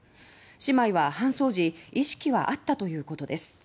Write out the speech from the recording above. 姉妹は搬送時意識はあったということです。